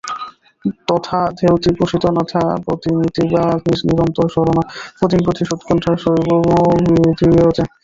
তথা ধ্যায়তি প্রোষিতনাথা পতিমিতি বা নিরন্তরস্মরণা পতিং প্রতি সোৎকণ্ঠা সৈবমভিধীয়তে।